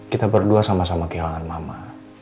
kita berdua sama sama kehilangan mama